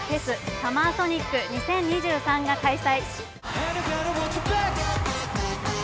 ＳＵＭＭＥＲＳＯＮＩＣ２０２３が開催。